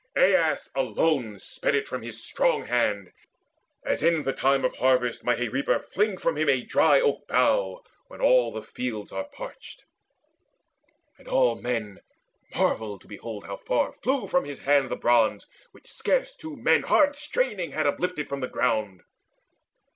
Aias alone Sped it from his strong hand, as in the time Of harvest might a reaper fling from him A dry oak bough, when all the fields are parched. And all men marvelled to behold how far Flew from his hand the bronze which scarce two men Hard straining had uplifted from the ground.